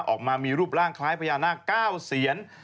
ออกมามีรูปร่างคล้ายพญานาค๙เสียน